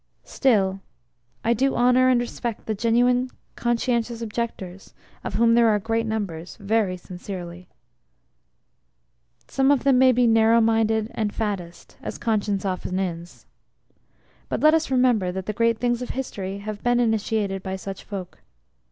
Still, I do honour and respect the genuine conscientious objectors (of whom there are great numbers) very sincerely. Some of them may, be narrow minded and faddist (as conscience often is), but let us remember that the great things of History have been initiated by such folk.